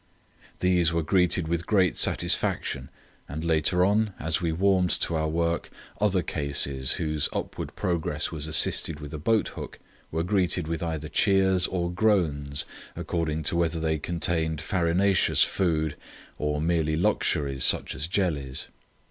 These were greeted with great satisfaction, and later on, as we warmed to our work, other cases, whose upward progress was assisted with a boat hook, were greeted with either cheers or groans according to whether they contained farinaceous food or merely luxuries such as jellies.